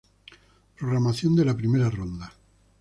Programación de la primera ronda.